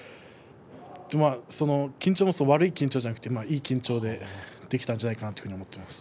でも、その緊張も悪い緊張じゃなくていい緊張でできたんじゃないかと思います。